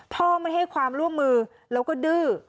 พ่อไม่ให้ความร่วมมือแล้วก็ดื้อ